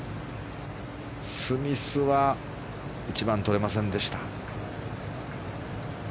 スミスは１番、取れませんでした。